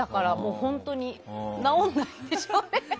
本当に治らないんでしょうね。